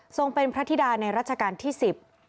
ทรงเป็นพระธิดาในรัชกาลที่๑๐